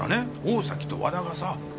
大崎と和田がさ。